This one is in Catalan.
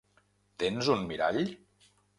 Tens un mirall?